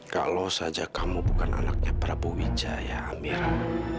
kalau saja kamu bukan anaknya prabu wijaya amira